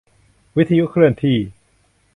วิทยุเคลื่อนที่